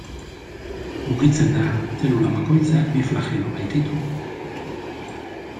Mugitzen da, zelula bakoitzak bi flagelo baititu.